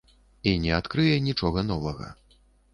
І не адкрые нічога новага.